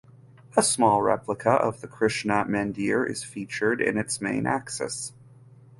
A small replica of the Krishna Mandir is featured in its main axis.